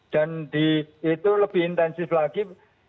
dan itu lebih intensif lagi